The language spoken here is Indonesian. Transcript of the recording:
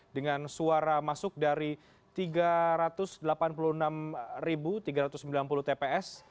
dengan suara masuk dari tiga ratus delapan puluh enam tiga ratus sembilan puluh tps